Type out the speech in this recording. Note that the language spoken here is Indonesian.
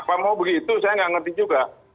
apa mau begitu saya tidak mengerti juga